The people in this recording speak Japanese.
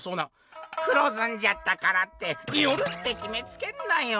「黒ずんじゃったからって『夜』ってきめつけんなよ！」。